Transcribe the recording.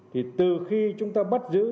thì từ khi chúng ta bắt giữ